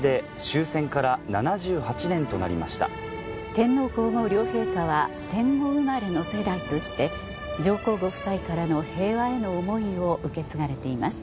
天皇皇后両陛下は戦後生まれの世代として上皇ご夫妻からの平和への思いを受け継がれています。